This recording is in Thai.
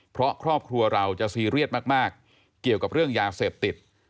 เพราะครอบครัวเราจะซีเรียสมากเกี่ยวกับเรื่องยาเสพติด